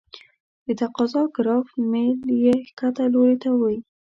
د تقاضا ګراف میل یې ښکته لوري ته وي.